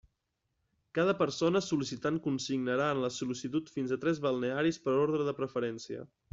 Cada persona sol·licitant consignarà en la sol·licitud fins a tres balnearis per orde de preferència.